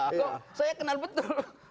oh saya kenal betul